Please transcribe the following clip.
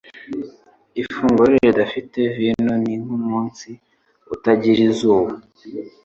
Ifunguro ridafite vino ni nkumunsi utagira izuba.